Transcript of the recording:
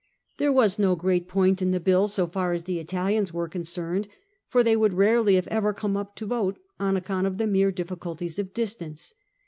There was no great point in the bill so far as the Italians were concerned, for they would rarely if ever come up to vote, on account of the mere difficulties of distance.